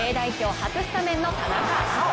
初スタメンの田中碧。